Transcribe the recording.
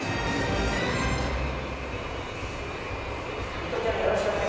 伊藤ちゃんよろしくお願いします。